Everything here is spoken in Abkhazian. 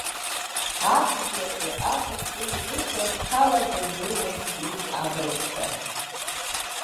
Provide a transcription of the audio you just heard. Аҵхлашәы, аҵх тымитыша рҽалаӡа инеиуан хҩык абрагьцәа.